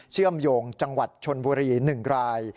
เชื่อมโยงจังหวัดชนบุรี๑ราย